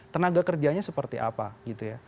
tenaga kerjanya seperti apa gitu ya